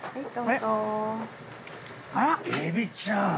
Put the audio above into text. エビちゃん！